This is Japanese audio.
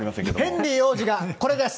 ヘンリー王子がこれです。